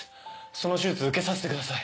その手術受けさせてください。